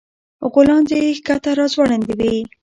غولانځې يې ښکته راځوړندې وې